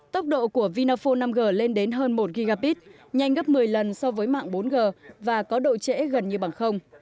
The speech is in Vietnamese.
tốc độ của vinaphone năm g lên đến hơn một gigapit nhanh gấp một mươi lần so với mạng bốn g và có độ trễ gần như bằng